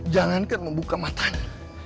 jangankan membuka matanya